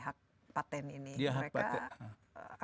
hak patent ini mereka